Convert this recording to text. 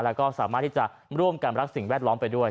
แล้วก็สามารถที่จะร่วมกันรักสิ่งแวดล้อมไปด้วย